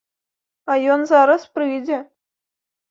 А ён зараз прыйдзе.